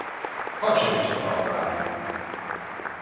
Hadd segítsek talpra állni!